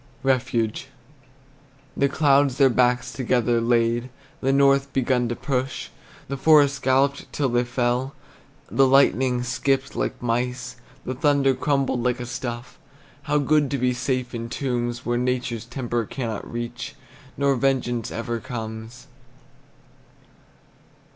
REFUGE. The clouds their backs together laid, The north begun to push, The forests galloped till they fell, The lightning skipped like mice; The thunder crumbled like a stuff How good to be safe in tombs, Where nature's temper cannot reach, Nor vengeance ever comes!